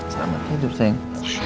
selamat hidup sayang